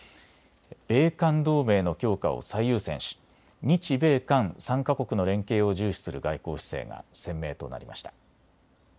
米韓同盟の強化を最優先し日米韓３か国の連携を重視する外交姿勢が鮮明となりました。